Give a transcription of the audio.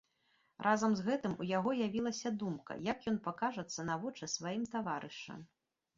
Разам з гэтым у яго явілася думка, як ён пакажацца на вочы сваім таварышам.